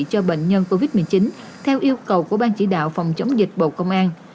cho bệnh nhân covid một mươi chín theo yêu cầu của ban chỉ đạo phòng chống dịch bộ công an